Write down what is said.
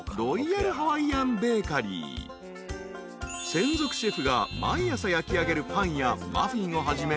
［専属シェフが毎朝焼きあげるパンやマフィンをはじめ］